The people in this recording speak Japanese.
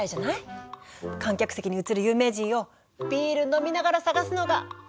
観客席に映る有名人をビール飲みながら探すのが好きなんだよねぇ！